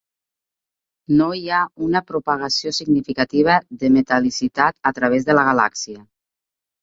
No hi ha una propagació significativa de metal.licitat a través de la galàxia.